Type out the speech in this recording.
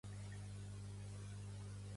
Pertanyia al moviment independentista l'Aina?